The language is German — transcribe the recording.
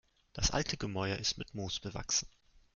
Das alte Gemäuer ist mit Moos bewachsen.